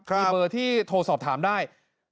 มีเบอร์ที่โทรสอบถามได้๐๘๑๑๗๒๒๖๐๓